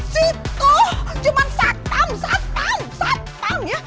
situ cuma satpam satpam satpam ya